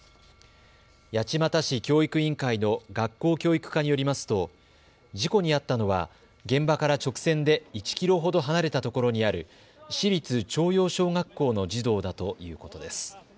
八街市教育委員会の学校教育課によりますと事故に遭ったのは現場から直線で１キロほど離れたところにある市立朝陽小学校の児童だということです。